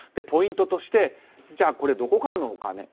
ポイントとしてじゃあ、どこからのお金？